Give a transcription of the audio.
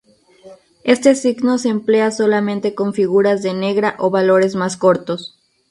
Este signo se emplea solamente con figuras de negra o valores más cortos.